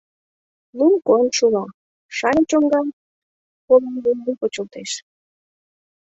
Лум койын шула, Шале чоҥга олан-вулан почылтеш.